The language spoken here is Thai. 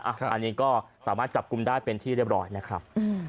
อันนี้ก็สามารถจับกลุ่มได้เป็นที่เรียบร้อยนะครับ